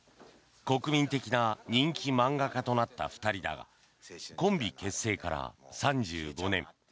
国民的な人気漫画家となった２人だがコンビ結成から３５年。